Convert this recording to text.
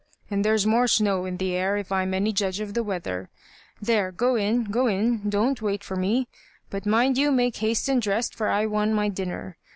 And there's more snow in the air if I'm any judge of the weather. There — go in — go in; don't wait for me; — but mind you make haste and dress, for I want my dinner.